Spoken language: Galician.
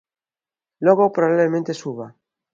Logo probablemente suba.